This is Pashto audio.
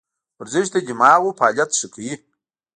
ورزش د دماغو فعالیت ښه کوي.